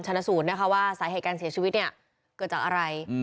ชะนศูนย์ว่าสถานการณ์เสียชีวิตเกิดจากอะไร